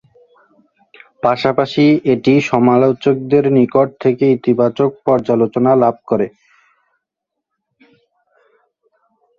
পাশাপাশি এটি সমালোচকদের নিকট থেকে ইতিবাচক পর্যালোচনা লাভ করে।